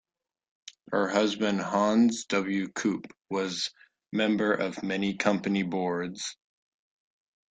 Her husband Hans W. Kopp was member of many company boards.